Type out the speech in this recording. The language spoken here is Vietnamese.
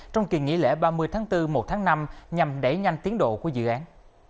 trong kỳ nghỉ lễ ba mươi tháng bốn một tháng năm nhằm đẩy nhanh tiến độ của dự án